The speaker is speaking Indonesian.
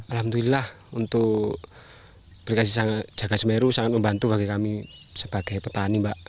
alhamdulillah untuk aplikasi jaga semeru sangat membantu bagi kami sebagai petani mbak